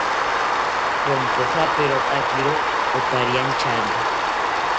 Ponpojaperotakiro opariantyari